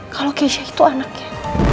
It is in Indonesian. kalau keisha itu anaknya